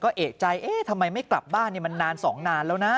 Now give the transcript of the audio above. ก็เอกใจทำไมไม่กลับบ้านเนี่ยมันนานสองนานแล้วนะ